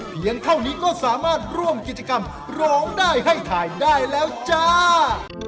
เท่านี้ก็สามารถร่วมกิจกรรมร้องได้ให้ถ่ายได้แล้วจ้า